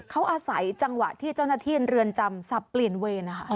เขาอาศัยจังหวะที่เจ้าหน้าที่เรือนจำสับเปลี่ยนเวรนะคะ